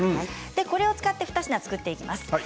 これを使って２品作っていきます。